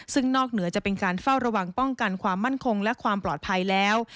ซึ่งนอกเหนือจะเป็นการเฝ้าระวังป้องกันความมั่นคงและความปลอดภัยแล้ว